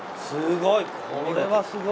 すごい！